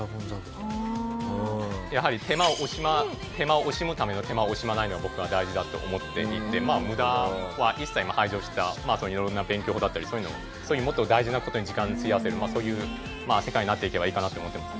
やはり手間を惜しむための手間を惜しまないのは僕は大事だと思っていて無駄は一切排除した色々な勉強法だったりそういうもっと大事な事に時間費やせるそういう世界になっていけばいいかなと思ってます。